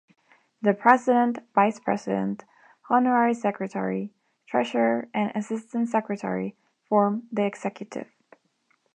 The President, Vice-President, Honorary Secretary, Treasurer and Assistant Secretary form the Executive.